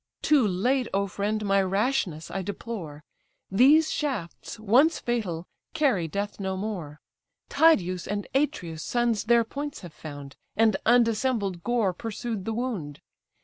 "Too late, O friend! my rashness I deplore; These shafts, once fatal, carry death no more. Tydeus' and Atreus' sons their points have found, And undissembled gore pursued the wound.